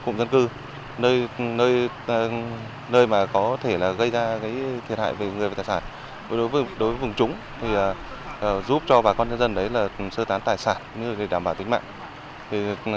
nơi mà có thể gây ra thiệt hại về người và tài sản đối với vùng trúng giúp cho bà con dân dân sơ tán tài sản đảm bảo tính mạng